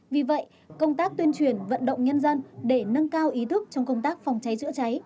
vì vậy công tác tuyên truyền vận động nhân dân để nâng cao ý thức trong công tác phòng cháy chữa cháy